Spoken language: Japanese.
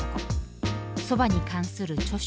蕎麦に関する著書